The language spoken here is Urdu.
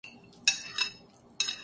اپنی قسمت خوب سنوار گئے۔